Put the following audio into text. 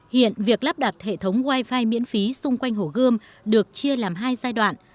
hiện việc lắp đặt hệ thống wifi miễn phí xung quanh hồ gươm được chia làm hai giai đoạn